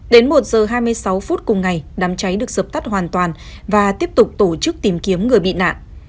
đến một giờ hai mươi sáu phút cùng ngày đám cháy được dập tắt hoàn toàn và tiếp tục tổ chức tìm kiếm người bị nạn